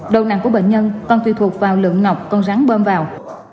đầu nặng của bệnh nhân còn tùy thuộc vào lượng ngọc con rắn bơm vào